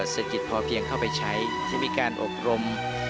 เศรษฐกิจพอเพียงเข้าไปใช้จะมีการอบรม